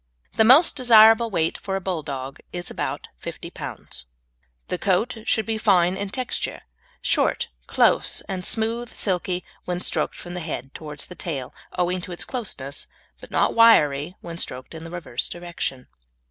The most desirable weight for a Bulldog is about 50 lbs. The coat should be fine in texture, short, close, and smooth, silky when stroked from the head towards the tail owing to its closeness, but not wiry when stroked in the reverse direction.